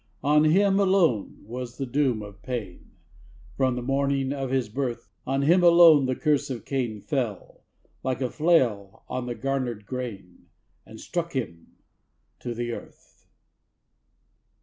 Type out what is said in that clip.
On him alone was the doom of pain, From the morning of his birth; On him alone the curse of Cain Fell, like a flail on the garnered grain, And struck him to the earth!